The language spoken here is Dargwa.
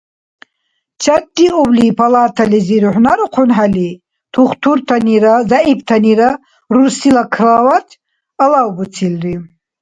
Чарриубли палатализи рухӀнарухъунхӀели, тухтуртанира зягӀиптанира рурсила кровать алавбуцилри.